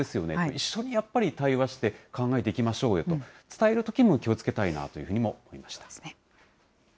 一緒にやっぱり対話して、考えていきましょうよと、伝えるときにも気をつけたいなというふうにも思いました。